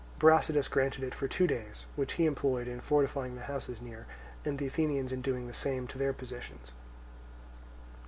Brasidas granted it for two days, which he employed in fortifying the houses near, and the Athenians in doing the same to their positions.